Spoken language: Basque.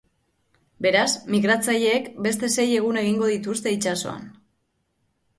Beraz, migratzaileek beste sei egun egingo dituzte itsasoan.